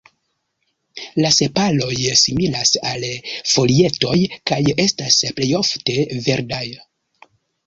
La sepaloj similas al folietoj, kaj estas plejofte verdaj.